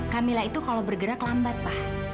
kamilah itu kalau bergerak lambat pa